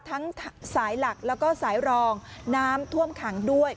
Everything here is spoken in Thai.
ทั้งสายหลักแล้วก็สายรองน้ำท่วมขังด้วย